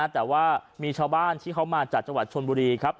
แต่ว่ามีชาวบ้านที่เขามาจากจังหวัดชนบุรีครับ